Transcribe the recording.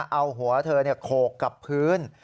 เอาหัวเธอโขกกับพื้น